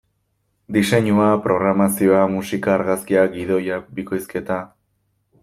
Diseinua, programazioa, musika, argazkiak, gidoia, bikoizketa...